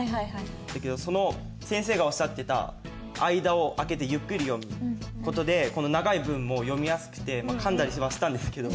だけど先生がおっしゃってた間を空けてゆっくり読む事でこの長い文も読みやすくてかんだりとかしてたんですけど。